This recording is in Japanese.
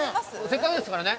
せっかくですからね。